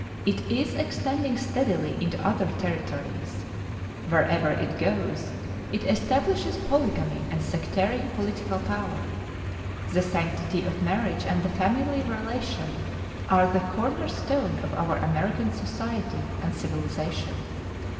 It is extending steadily into other Territories. Wherever it goes it establishes polygamy and sectarian political power. The sanctity of marriage and the family relation are the corner stone of our American society and civilization.